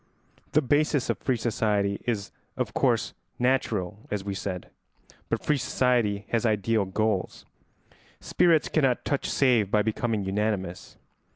The basis of free society is of course natural, as we said, but free society has ideal goals. Spirits cannot touch save by becoming unanimous.